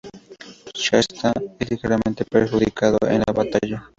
Shasta es ligeramente perjudicado en la batalla.